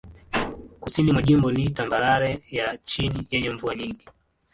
Kusini mwa jimbo ni tambarare ya chini yenye mvua nyingi.